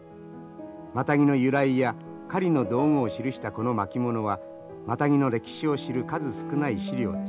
マタギの由来や狩りの道具を記したこの巻物はマタギの歴史を知る数少ない資料です。